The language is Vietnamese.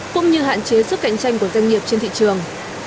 cũng như hạn chế sức cạnh tranh của doanh nghiệp trên thị trường